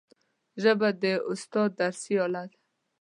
ژبه د استاد درسي آله ده